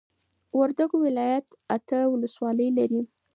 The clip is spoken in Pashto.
وردوګو ولايت اته ولسوالۍ لري